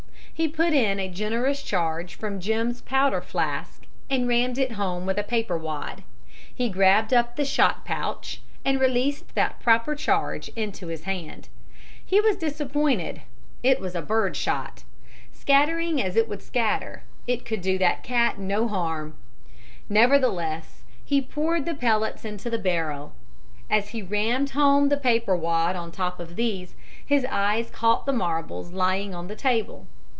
He put in a generous charge from Jim's powder flask and rammed it home with a paper wad. He grabbed up the shot pouch and released the proper charge into his hand. He was disappointed; it was bird shot. Scattering as it would scatter, it could do that cat no harm. Nevertheless, he poured the pellets into the barrel. As he rammed home the paper wad on top of these, his eye caught the marbles lying on the table.